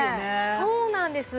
そうなんです！